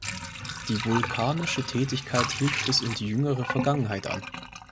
Die vulkanische Tätigkeit hielt bis in die jüngere Vergangenheit an.